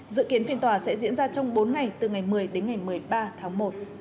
dự kiến phiên tòa sẽ diễn ra trong bốn ngày từ ngày một mươi đến ngày một mươi ba tháng một